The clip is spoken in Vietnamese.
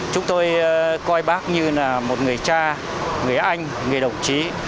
chúng tôi coi bác như là một người cha người anh người đồng chí